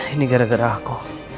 ini gara gara aku